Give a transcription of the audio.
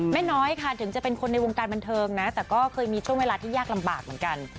น้อยค่ะถึงจะเป็นคนในวงการบันเทิงนะแต่ก็เคยมีช่วงเวลาที่ยากลำบากเหมือนกัน